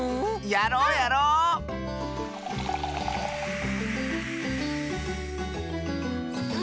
やろうやろう！